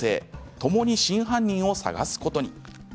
ともに真犯人を捜すことに。